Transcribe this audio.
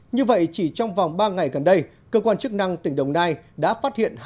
như vậy chỉ trong vòng ba ngày gần đây cơ quan chức năng tỉnh đồng nai đã phát hiện